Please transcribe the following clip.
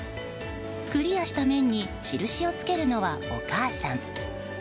クリアした面に印をつけるのはお母さん。